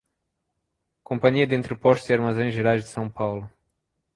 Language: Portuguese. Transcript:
Companhia de Entrepostos e Armazéns Gerais de São Paulo